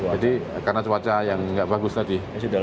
jadi karena cuaca yang enggak bagus tadi